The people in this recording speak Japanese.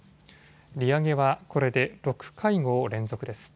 利上げはこれで６会合連続です。